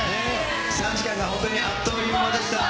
３時間が本当にあっという間でした。